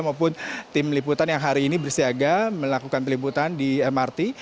maupun tim liputan yang hari ini bersiaga melakukan peliputan di mrt